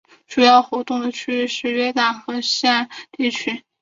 主要活动区域是约旦河西岸地区。